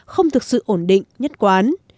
không thực sự ổn định nhất quán